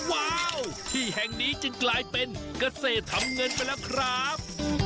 ว้าวที่แห่งนี้จึงกลายเป็นเกษตรทำเงินไปแล้วครับ